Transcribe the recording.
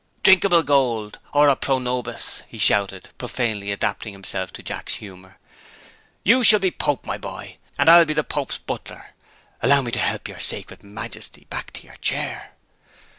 "Drinkable gold, ora pro nobis!" he shouted, profanely adapting himself to Jack's humor. "You shall be Pope, my boy and I'll be the Pope's butler. Allow me to help your sacred majesty back to your chair."